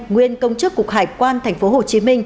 nguyên công chức cục hải quan tp hcm